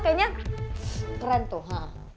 kayaknya keren tuh